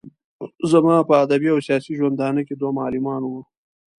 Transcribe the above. زما په ادبي او سياسي ژوندانه کې دوه معلمان وو.